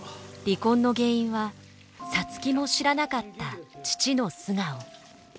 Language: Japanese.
離婚の原因は皐月も知らなかった父の素顔。